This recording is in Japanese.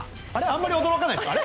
あんまり驚かないですか？